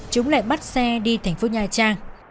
chúng lại bắt xe đi thành phố nha trang